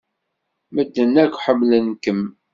Medden akk ḥemmlen-kem.